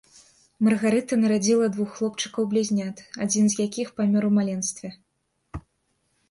Маргарыта нарадзіла двух хлопчыкаў блізнят, адзін з якіх памёр у маленстве.